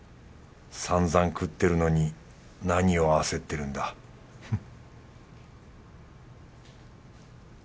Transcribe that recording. さんざん食ってるのに何を焦ってるんだフッ